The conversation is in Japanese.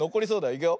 いくよ。